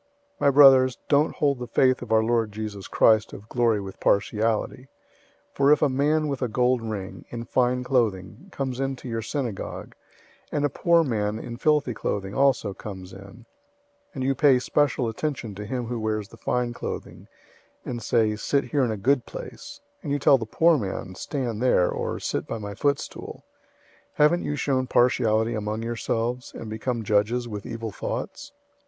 002:001 My brothers, don't hold the faith of our Lord Jesus Christ of glory with partiality. 002:002 For if a man with a gold ring, in fine clothing, comes into your synagogue{or, meeting}, and a poor man in filthy clothing also comes in; 002:003 and you pay special attention to him who wears the fine clothing, and say, "Sit here in a good place;" and you tell the poor man, "Stand there," or "Sit by my footstool;" 002:004 haven't you shown partiality among yourselves, and become judges with evil thoughts?